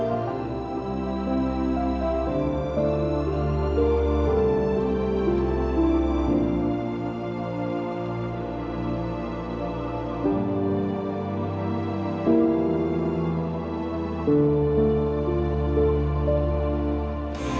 terima kasih bu